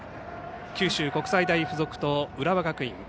九州国際大付属と浦和学院。